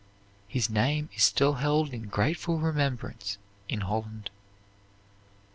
His name is still held in grateful remembrance in Holland.